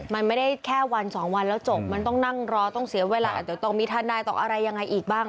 มันไม่ได้แค่วันสองวันแล้วจบมันต้องนั่งรอต้องเสียเวลาอาจจะต้องมีทนายต้องอะไรยังไงอีกบ้าง